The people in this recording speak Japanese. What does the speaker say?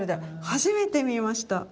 初めて見ました。